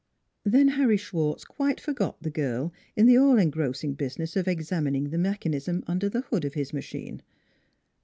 Then Harry Schwartz quite forgot the girl in the all engrossing business of examining the mech anism under the hood of his machine.